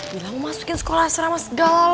bilang masukin sekolah serama segala selala